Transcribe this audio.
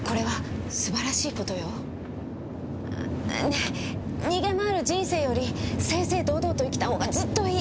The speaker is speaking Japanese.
ねぇ逃げ回る人生より正々堂々と生きたほうがずっといい。